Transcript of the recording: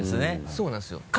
そうなんですよ。